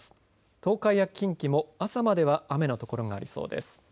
東海や近畿も、朝までは雨の所がありそうです。